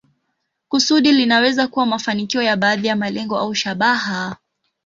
Kusudi linaweza kuwa mafanikio ya baadhi ya malengo au shabaha.